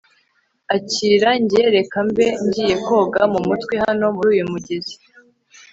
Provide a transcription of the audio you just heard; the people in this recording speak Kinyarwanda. akira njye reka mbe ngiye koga mumutwe hano muruyu mugezi